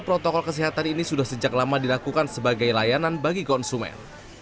protokol kesehatan ini sudah sejak lama dilakukan sebagai layanan bagi konsumen